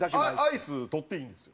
アイス取っていいんです。